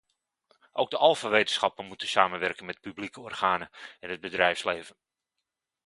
Ook de alfawetenschappen moeten samenwerken met publieke organen en het bedrijfsleven.